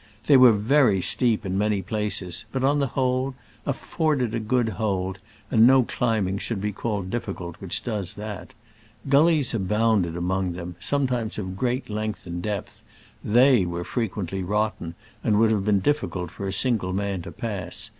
They were very steep in * many places, but on the whole afforded a good hold, and no climbing should be called diffi cult which does that. Gullies abounded among them, sometimes of great length and depth. TAey were frequently rot ten, and would have been difficult for a single man to pass.